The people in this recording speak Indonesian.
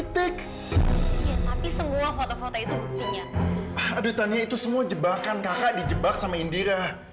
tapi semua foto foto itu buktinya aduh tanya itu semua jebakan kakak di jebak sama indira